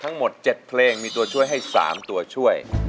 ทั้งหมด๗เพลงมีตัวช่วยให้๓ตัวช่วย